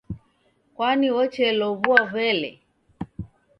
Kwani wocheluw'ua w'ele.